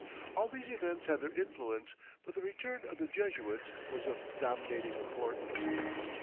All these events had their influence, but the return of the Jesuits was of dominating importance.